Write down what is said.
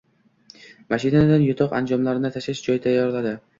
Mashinadan yotoq anjomlarini tashib, joy tayyorladi